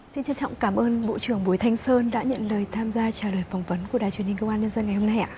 xin trân trọng cảm ơn bộ trưởng bùi thanh sơn đã nhận lời tham gia trả lời phỏng vấn của đài truyền hình công an nhân dân ngày hôm nay ạ